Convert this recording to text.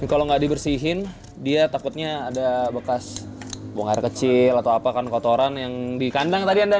ini kalau nggak dibersihin dia takutnya ada bekas buang air kecil atau apa kan kotoran yang dikandang tadi anda ya